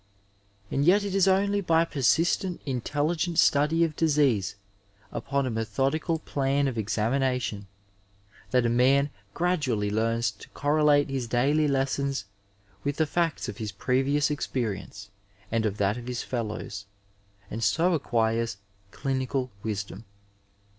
And yet it is only by persistent intelligent study of disease upon a methodical plan of examination that a man gradually learns to corre late his daily lessons with the facts of his previous experi ence and of that of his fellows, and so acquires clinical wisdom.